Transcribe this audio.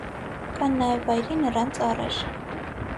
Կան նաև վայրի նռան ծառեր։